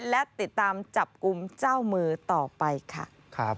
และติดตามจับกลุ่มเจ้ามือต่อไปค่ะ